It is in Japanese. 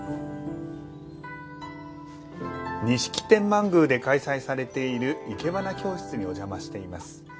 錦天満宮で開催されているいけばな教室にお邪魔しています。